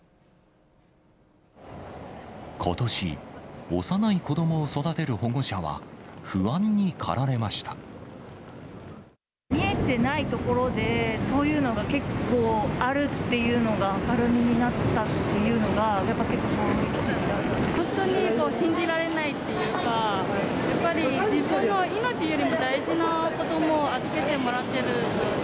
ことし、幼い子どもを育てる見えてないところで、そういうのが結構あるっていうのが明るみになったっていうのが、本当に信じられないっていうか、やっぱり、自分の命よりも大事な子どもを預けてもらってるので。